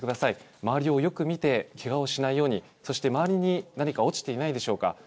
周りをよく見てけがをしないように、そして周りに何か落ちていないでしょうか。